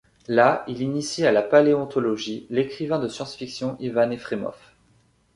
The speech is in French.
Là, il initie à la paléontologie l'écrivain de science-fiction Ivan Efremov.